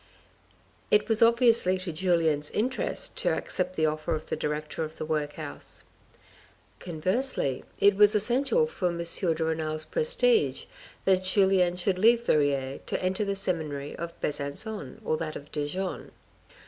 It was obviously to Julien's interest to accept the offer of the director of the workhouse. Conversely, it was essential for M. de Renal's prestige that Julien should leave Verrieres to enter the seminary of Besancon or that of Dijon.